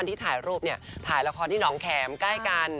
ที่ถ่ายรูปเนี่ยถ่ายละครที่หนองแข็มใกล้กัน